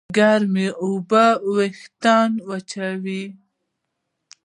ګرمې اوبه وېښتيان وچوي.